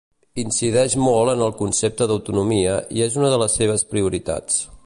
Incideixen molt en el concepte d'autonomia i és una de les seves prioritats.